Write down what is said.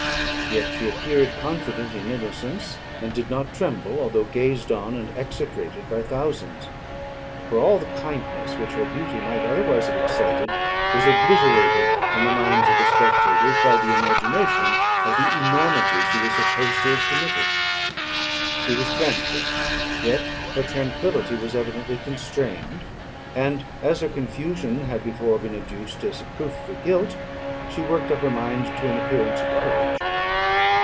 Yet she appeared confident in innocence, and did not tremble, although gazed on and execrated by thousands; for all the kindness which her beauty might otherwise have excited, was obliterated in the minds of the spectators by the imagination of the enormity she was supposed to have committed. She was tranquil, yet her tranquillity was evidently constrained; and as her confusion had before been adduced as a proof of her guilt, she worked up her mind to an appearance of courage.